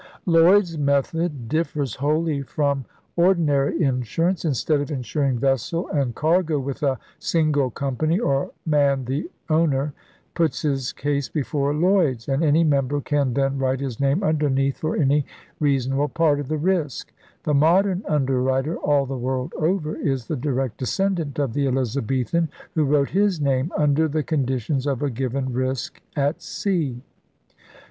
Lloyd's method differs wholly from ordi ELIZABETHAN ENGLAND 61 nary insurance. Instead of insuring vessel and cargo with a single company or man the owner puts his case before Lloyd's, and any member can then write his name underneath for any reason able part of the risk. The modern 'underwriter,' all the world over, is the direct descendant of the Elizabethan who wrote his name under the con ditions of a given risk at sea.